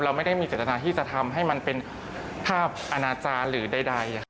ไม่ได้มีเจตนาที่จะทำให้มันเป็นภาพอาณาจารย์หรือใด